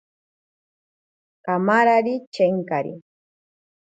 Kamari chenkari.